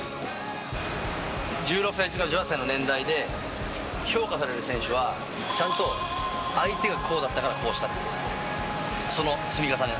１６歳から１８歳の年代で評価される選手はちゃんと相手がこうだったからこうしたっていうその積み重ね。